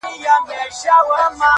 • کله به بیرته کلي ته راسي -